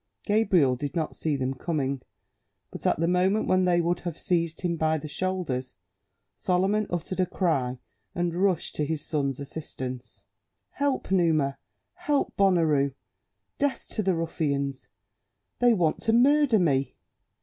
Gabriel did not see them coming; but at the moment when they would have seized him by the shoulders, Solomon uttered a cry and rushed to his son's assistance. "Help, Numa! help, Bonaroux! Death to the ruffians! They want to murder me."